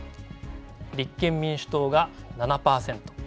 立憲民主党が７％。